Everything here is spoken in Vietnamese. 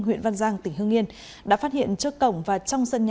huyện văn giang tỉnh hương yên đã phát hiện trước cổng và trong sân nhà